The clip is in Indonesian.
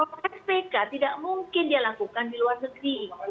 proses pk tidak mungkin dilakukan di luar negeri